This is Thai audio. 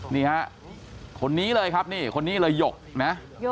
นี่ฮะคนนี้เลยครับนี่คนนี้เลยหยกนะ